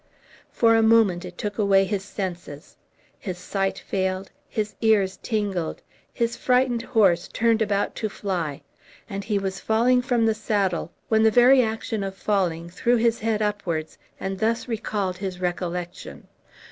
For a moment it took away his senses. His sight failed, his ears tingled, his frightened horse turned about to fly; and he was falling from the saddle, when the very action of falling threw his head upwards, and thus recalled his recollection.